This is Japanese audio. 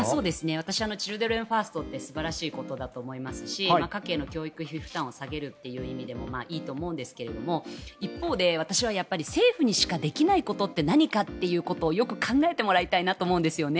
私チルドレンファーストって素晴らしいことだと思いますし家計の教育費負担を下げるという意味でもいいと思うんですが一方で、私は政府にしかできないことって何かっていうことをよく考えてもらいたいんですね。